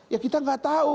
ya kita nggak tahu